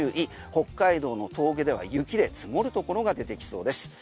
北海道の峠では雪で積もるところが出てきそうです。